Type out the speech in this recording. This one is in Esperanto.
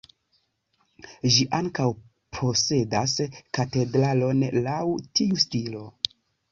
Ĝi ankaŭ posedas katedralon laŭ tiu stilo.